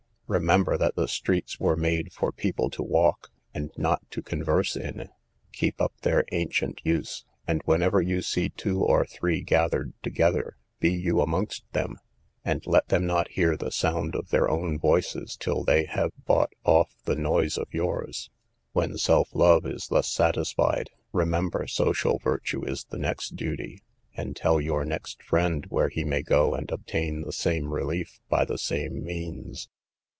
Remember that the streets were made for people to walk, and not to converse in: keep up their ancient use; and whenever you see two or three gathered together, be you amongst them, and let them not hear the sound of their own voices till they have bought off the noise of yours. When self love is thus satisfied, remember social virtue is the next duty, and tell your next friend where he may go and obtain the same relief, by the same means.